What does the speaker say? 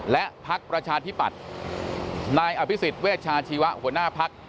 และพักประชาธิปัตย์นายอภิษฎเวชาชีวะหัวหน้าพัก